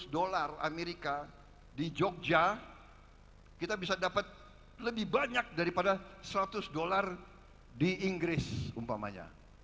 tiga ratus dolar amerika di jogja kita bisa dapat lebih banyak daripada seratus dolar di inggris umpamanya